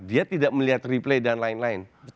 dia tidak melihat replay dan lain lain